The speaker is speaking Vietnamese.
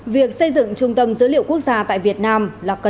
việc xây dựng trung tâm dữ liệu quốc gia tại việt nam